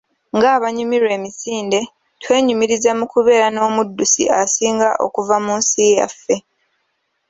Nga abanyumirwa emisinde, twenyumiriza mu kubeera n'omuddusi asinga okuva mu nsi yaffe.